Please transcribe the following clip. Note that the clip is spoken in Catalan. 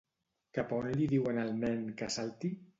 Cap a on li diuen al nen que salti?